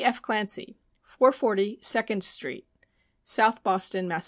F. Clancy, 440 Second street, South Boston, Mass.